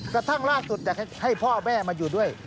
กระทั่งล่าสุดอยากให้พ่อแม่มาอยู่ด้วย